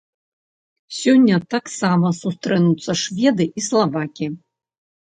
Сёння таксама сустрэнуцца шведы і славакі.